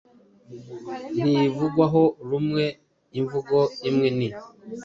ntivugwaho rumwe Imvugo imwe ni